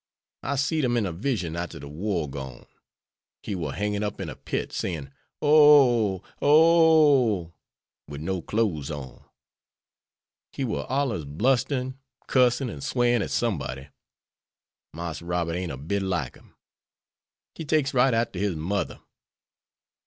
I seed him in a vision arter he war gone. He war hangin' up in a pit, sayin' 'Oh! oh!' wid no close on. He war allers blusterin', cussin', and swearin' at somebody. Marse Robert ain't a bit like him. He takes right arter his mother.